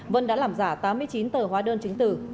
vân đã làm giả tám mươi chín tờ hóa đơn chứng tử